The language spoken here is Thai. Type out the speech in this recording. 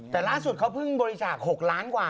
แต่ล่าสุดเขาเพิ่งบริจาค๖ล้านกว่า